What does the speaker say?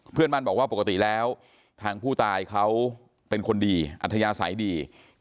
เพื่อนบ้านบอกว่าปกติแล้วทางผู้ตายเขาเป็นคนดีอัธยาศัยดี